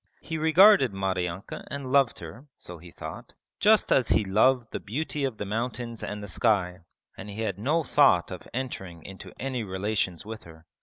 He regarded Maryanka and loved her (so he thought) just as he loved the beauty of the mountains and the sky, and he had no thought of entering into any relations with her.